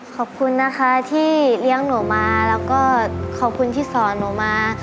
ขอบคุณนะคะที่เลี้ยงหนูมาแล้วก็ขอบคุณที่สอนหนูมา